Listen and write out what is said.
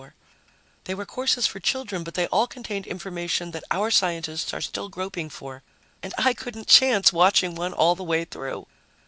They were courses for children, but they all contained information that our scientists are still groping for ... and I couldn't chance watching one all the way through!